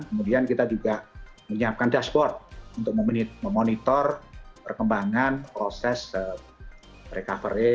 kemudian kita juga menyiapkan dashboard untuk memonitor perkembangan proses recovery